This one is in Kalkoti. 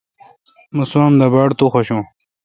مہ سوام دا باڑ تو خوشون۔